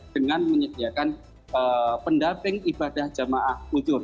dengan menyediakan pendaping ibadah jemaah hujur